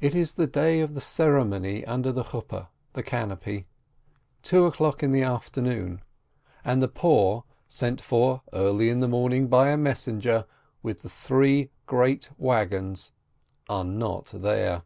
It is the day of the ceremony under the canopy, two o'clock in the afternoon, and the poor, sent for early 84 SPEKTOE in the morning by a messenger, with the three great wagons, are not there.